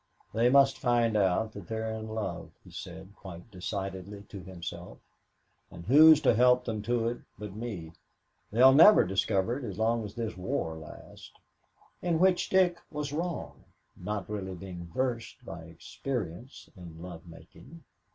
"They must find out that they are in love," he said quite decidedly to himself, "and who's to help them to it but me? They'll never discover it as long as this war lasts" in which Dick was wrong, not really being versed by experience in love making.